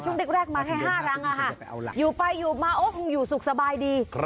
ช่วงเด็กมาให้๕รังอยู่ไปอยู่มาคงอยู่สุขสบายดี